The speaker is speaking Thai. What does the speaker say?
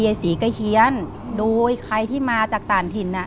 ศรีก็เฮียนโดยใครที่มาจากต่างถิ่นอ่ะ